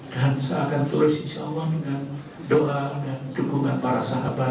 dan saya akan terus insya allah dengan doa dan dukungan para sahabat